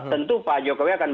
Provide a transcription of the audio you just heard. tentu pak jokowi akan